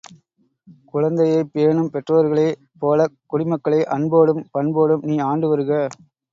குழந்தையைப் பேணும் பெற்றோர்களே போலக் குடிமக்களை அன்போடும் பண்போடும் நீ ஆண்டு வருக.